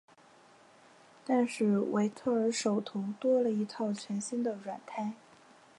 但是维特尔手头多了一套全新的软胎。